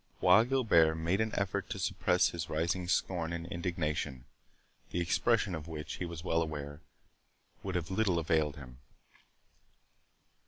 Bois Guilbert made an effort to suppress his rising scorn and indignation, the expression of which, he was well aware, would have little availed him.